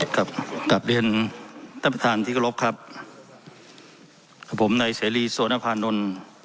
ครับกลับเรียนท่านประธานธิกรกครับครับผมนายเสรีสวนภานนท์